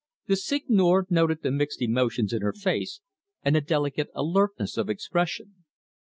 The Seigneur noted the mixed emotions in her face and the delicate alertness of expression.